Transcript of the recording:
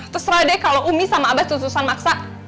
terserah deh kalau umi sama abah sususan maksa